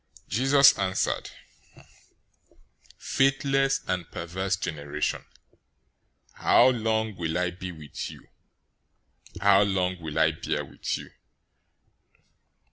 017:017 Jesus answered, "Faithless and perverse generation! How long will I be with you? How long will I bear with you?